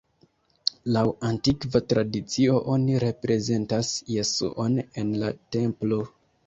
Laŭ antikva tradicio, oni reprezentas Jesuon en la Templo.